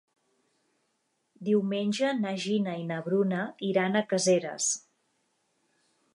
Diumenge na Gina i na Bruna iran a Caseres.